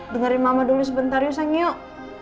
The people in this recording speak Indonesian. dengerin mama dulu sebentar yuseng yuk